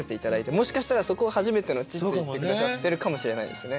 もしかしたらそこを「初めての地」って言って下さってるかもしれないですね。